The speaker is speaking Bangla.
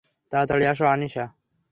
তাড়াতাড়ি আসো আনিশা।